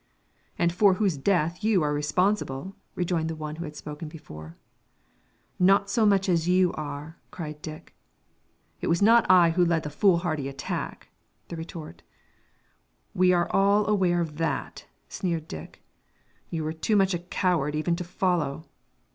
"And for whose death you are responsible," rejoined the one who had spoken before. "Not so much as are you," cried Dick. "It was not I who led the foolhardy attack," the retort. "We are all well aware of that," sneered Dick. "You were too much a coward even to follow."